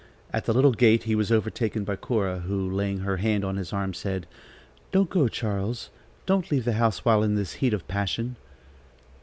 At the little gate, he was overtaken by Cora, who, laying her hand on his arm, said: "Don't go, Charles. Don't leave the house while in this heat of passion."